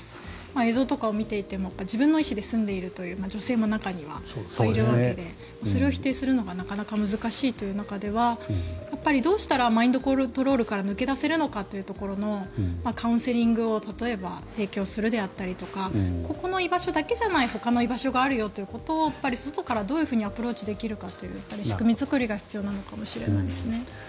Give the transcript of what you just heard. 映像とかを見ていても自分の意思で住んでいるという女性も中にはいるわけでそれを否定するのはなかなか難しいという中ではやっぱりどうしたらマインドコントロールから抜け出せるのかというところのカウンセリングを例えば、提供するだとかここの居場所だけじゃないほかの居場所があるよということを外からどういうふうにアプローチできるのかという仕組み作りが必要なのかもしれないですね。